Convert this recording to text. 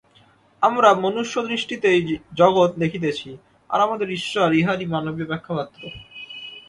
আমরা মনুষ্যদৃষ্টিতে এই জগৎ দেখিতেছি, আর আমাদের ঈশ্বর ইহারই মানবীয় ব্যাখ্যা মাত্র।